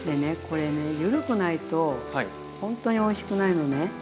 これねゆるくないとほんとにおいしくないのね。